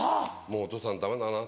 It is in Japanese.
「もうお父さんダメだな